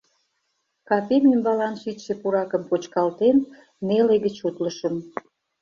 — Капем ӱмбалан шичше пуракым почкалтен, неле гыч утлышым.